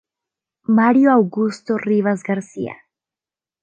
Mario Augusto Rivas García.